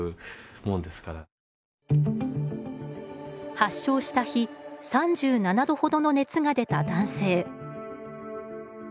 発症した日３７度ほどの熱が出た男性。